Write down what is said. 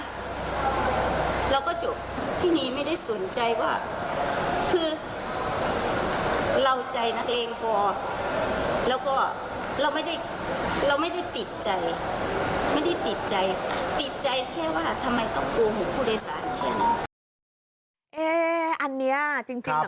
เราก็จบ